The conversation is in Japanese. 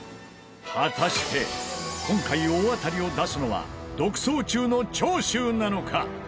果たして今回大当たりを出すのは独走中の長州なのか？